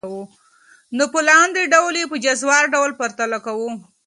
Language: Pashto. نو په لاندي ډول ئي په جزوار ډول پرتله كوو .